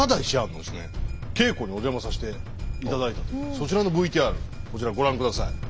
そちらのＶＴＲをこちらご覧下さい。